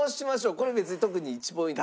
これ別に特に１ポイント。